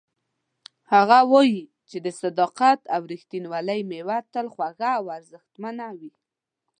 هغه وایي چې د صداقت او ریښتینولۍ میوه تل خوږه او ارزښتمنه وي